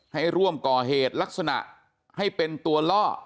ให้ร่วมก่อเหตุลักษณะให้เป็นตัวล่อ